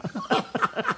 ハハハハ。